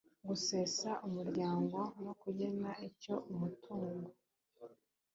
Gusesa umuryango no kugena icyo umutungo